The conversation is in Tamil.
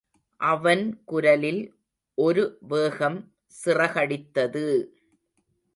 அவன் குரலில் ஒருவேகம் சிறகடித்தது!